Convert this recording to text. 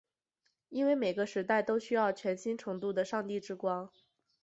因为每个时代都需要全新程度的上帝之光。